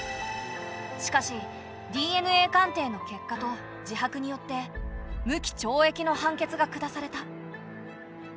しかしＤＮＡ鑑定の結果と自白によって無期懲役の判決が下された。